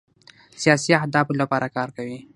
سیاسي اهدافو لپاره کار کوي.